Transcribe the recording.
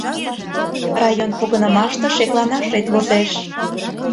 Район погынымаште шекланашет возеш...